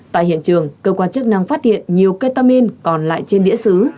tại hiện trường cơ quan chức năng phát hiện nhiều ketamin còn lại trên đĩa xứ